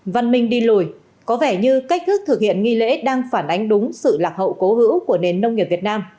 văn minh đi lùi có vẻ như cách thức thực hiện nghi lễ đang phản ánh đúng sự lạc hậu cố hữu của nền nông nghiệp việt nam